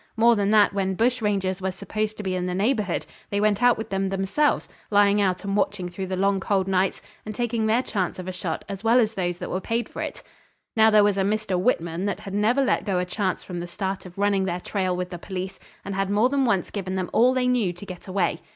More than that, when bush rangers were supposed to be in the neighbourhood they went out with them themselves, lying out and watching through the long cold nights, and taking their chance of a shot as well as those that were paid for it. Now there was a Mr. Whitman that had never let go a chance from the start of running their trail with the police, and had more than once given them all they knew to get away.